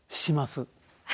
します。